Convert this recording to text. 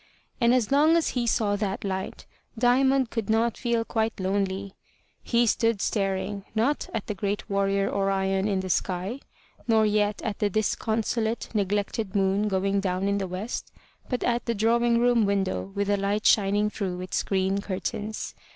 And as long as he saw that light, Diamond could not feel quite lonely. He stood staring, not at the great warrior Orion in the sky, nor yet at the disconsolate, neglected moon going down in the west, but at the drawing room window with the light shining through its green curtains.